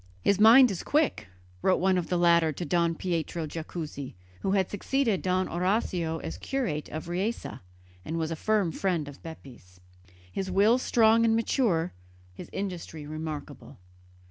"His mind is quick," wrote one of the latter to Don Pietro Jacuzzi, who had succeeded Don Orazio as curate of Riese and was a firm friend of Bepi's, "his will strong and mature, his industry remarkable."